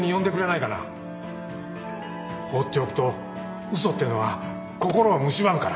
放っておくと嘘ってのは心をむしばむから。